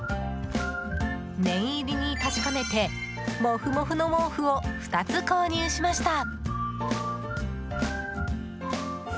念入りに確かめてモフモフの毛布を２つ購入しました。